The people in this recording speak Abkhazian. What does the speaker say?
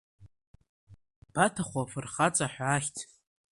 Иабаҭаху афырхаҵа ҳәа ахьӡ.